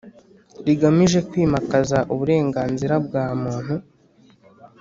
rigamije kwimakaza uburenganzira bwa muntu